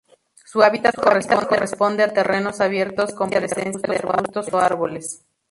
Su hábitat corresponde a terrenos abiertos con presencia de arbustos o árboles.